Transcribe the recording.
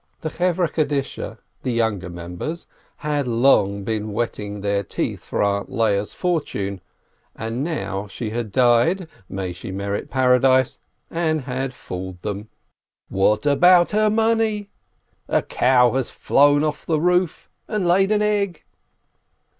The Funeral Society, the younger members, had long been whetting their teeth for "Aunt" Leah's for tune, and now she had died (may she merit Paradise!) and had fooled them. "What about her money?" "A cow has flown over the roof and laid an egg